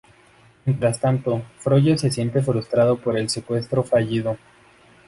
Mientras tanto, Frollo se siente frustrado por el secuestro fallido.